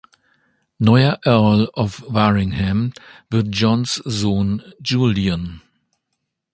Neuer Earl of Waringham wird Johns Sohn Julian.